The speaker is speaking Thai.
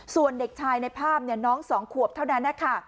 ส่วนเด็กชายในภาพเนี่ยน้องสองขวบเท่านั้นแหล่ะค่ะ